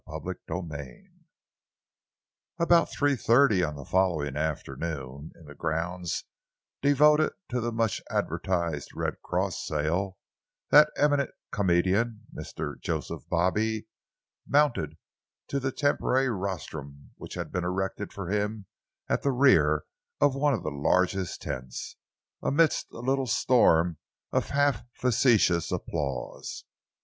CHAPTER XXV About three thirty on the following afternoon, in the grounds devoted to the much advertised Red Cross Sale, that eminent comedian, Mr. Joseph Bobby, mounted to the temporary rostrum which had been erected for him at the rear of one of the largest tents, amidst a little storm of half facetious applause.